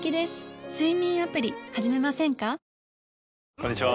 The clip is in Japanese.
こんにちは。